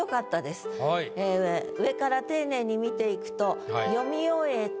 ええ上から丁寧に見ていくと「読み終へて」